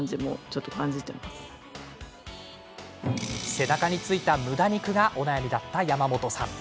背中についたむだ肉がお悩みだった山本さん。